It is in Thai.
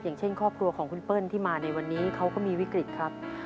อย่างเช่นครอบครัวของคุณเปิ้ลที่มาในวันนี้เขาก็มีวิกฤตครับ